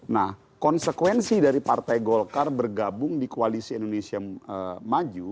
nah konsekuensi dari partai golkar bergabung di koalisi indonesia maju